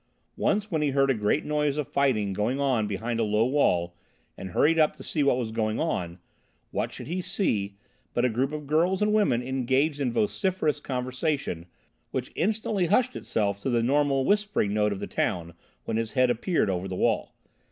Once when he heard a great noise of fighting going on behind a low wall, and hurried up to see what was going on, what should he see but a group of girls and women engaged in vociferous conversation which instantly hushed itself to the normal whispering note of the town when his head appeared over the wall.